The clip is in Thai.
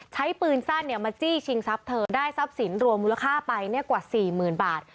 ใช้ปืนสั้นมาจี้ชิงทรัพย์เธอได้ทรัพย์สินรวมมูลค่าไปกว่า๔๐๐๐บาท